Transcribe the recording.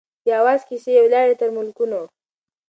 د آواز کیسې یې ولاړې تر ملکونو